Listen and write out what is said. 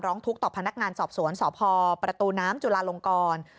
ต้องทุกข์ต่อพนักงานสอบสวนสพปนจุลลงกร